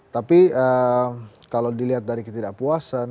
tapi kalau dilihat dari ketidakpuasan